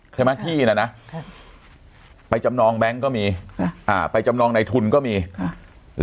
ใช่ไหมที่น่ะนะไปจำนองแบงค์ก็มีค่ะอ่าไปจำนองในทุนก็มีค่ะ